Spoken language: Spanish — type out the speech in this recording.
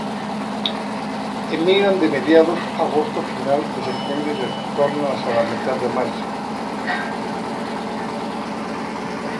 Emigran de mediados agosto-final de septiembre y retornan hacia la mitad de marzo.